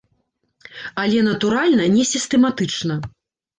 Але, натуральна, не сістэматычна.